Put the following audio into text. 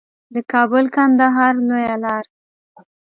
د کابل کندهار لویه لار